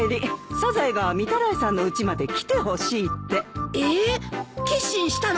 サザエが御手洗さんのうちまで来てほしいって。え！？決心したの？